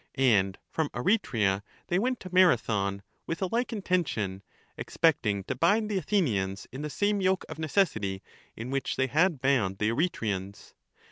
And from Eretria they went to Marathon with a like intention, expecting to bind the Athenians in the same yoke of necessity in which they had bound the Eretrians.